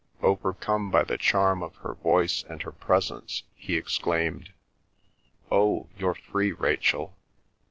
Overcome by the charm of her voice and her presence, he exclaimed, "Oh, you're free, Rachel.